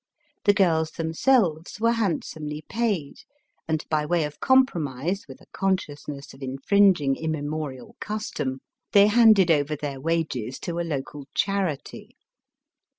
The girls themselves were handsomely Digitized by VjOOQIC 292 EAST BY WEST. paid, and, by way of compromise with a con sciousness of infringing immemorial custom, they handed over their wages to a local charity.